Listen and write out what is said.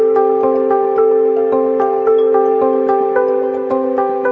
จริงจริงพี่แจ๊คเฮ้ยสวยนะเนี่ยเป็นเล่นไป